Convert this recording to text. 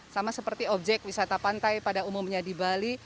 sama seperti objek wisata pantai pada umumnya di bali